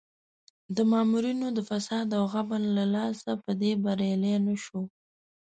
د مامورینو د فساد او غبن له لاسه په دې بریالی نه شو.